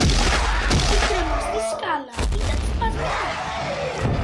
Η κρεμαστή σκάλα ήταν σπασμένη